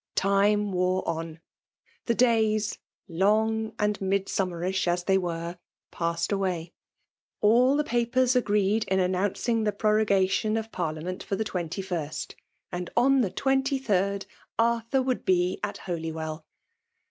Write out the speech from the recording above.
Time wore on. The days, long and Mid* summerish as they were> passed away. All the papers agreed in announcing the prcno* gation of ParKament for the 21st ; and on the 23rd Arthur would be at Holywell!